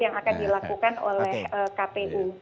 yang akan dilakukan oleh kpu